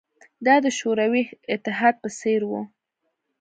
دا د شوروي اتحاد په څېر وه